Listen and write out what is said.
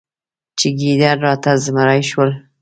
چې ګیدړ راته زمری شول.